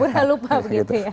pura pura lupa gitu ya